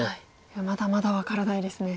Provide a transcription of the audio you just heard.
いやまだまだ分からないですね。